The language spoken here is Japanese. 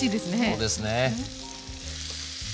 そうですね。